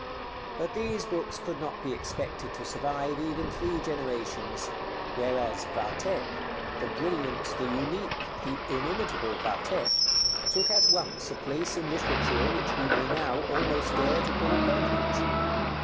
But these books could not be expected to survive even three generations; whereas 'Vathek,' the brilliant, the unique, the inimitable 'Vathek,' took at once a place in literature which we may now almost dare to call permanent.